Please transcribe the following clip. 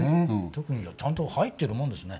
堀内：ちゃんと入ってるもんですね。